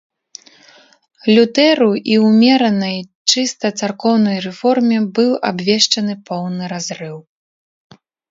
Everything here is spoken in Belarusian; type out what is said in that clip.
Лютэру і ўмеранай, чыста царкоўнай рэформе быў абвешчаны поўны разрыў.